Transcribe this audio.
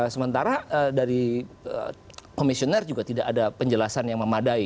sementara dari komisioner juga tidak ada penjelasan yang memadai